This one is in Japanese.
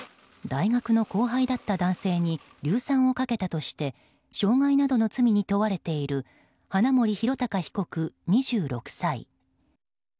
大学の後輩だった男性に硫酸をかけたとして傷害などの罪に問われている花森弘卓被告、２６歳。